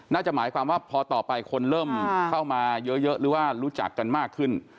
น่าจะหมายความว่าพอต่อไปคนเริ่มเข้ามาเยอะหรือว่ารู้จักกันมากขึ้น